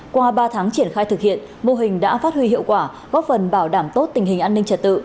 qua ba tháng triển khai thực hiện mô hình đã phát huy hiệu quả góp phần bảo đảm tốt tình hình an ninh trật tự